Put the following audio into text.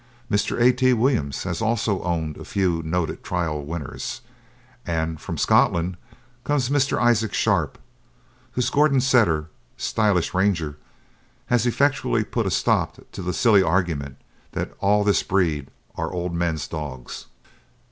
Mr. A. T. Williams has also owned a few noted trial winners, and from Scotland comes Mr. Isaac Sharpe, whose Gordon Setter, Stylish Ranger, has effectually put a stop to the silly argument that all this breed are old men's dogs.